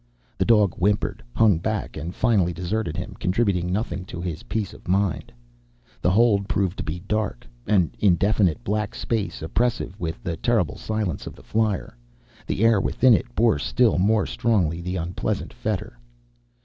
The dog whimpered, hung back, and finally deserted him, contributing nothing to his peace of mind. The hold proved to be dark. An indefinite black space, oppressive with the terrible silence of the flier. The air within it bore still more strongly the unpleasant fetor.